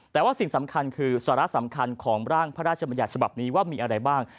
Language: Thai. แต่ว่าสิ่งสำคัญคือสาระสำคัญของร่างพระราชบัญญัติฉบับนี้ว่ามีอะไรบ้าง